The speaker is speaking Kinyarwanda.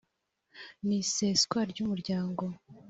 n iseswa ry umuryango